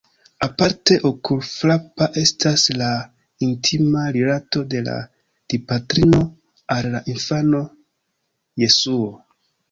Aparte okulfrapa estas la intima rilato de la Dipatrino al la infano Jesuo.